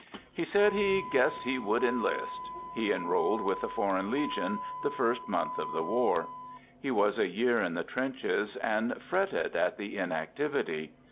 He said he " guessed he would enlist." He enrolled with the Foreign Legion the first month of the war. He was a year in the trenches, and fretted at the inactivity.